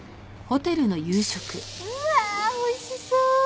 うわおいしそう！